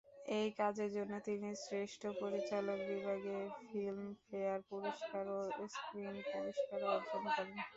এই কাজের জন্য তিনি শ্রেষ্ঠ পরিচালক বিভাগে ফিল্মফেয়ার পুরস্কার ও স্ক্রিন পুরস্কার অর্জন করেন।